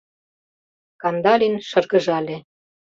Кандалин шыргыжале.